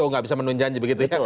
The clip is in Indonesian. oh nggak bisa menunjanji begitu ya